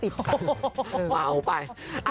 มาเอาไป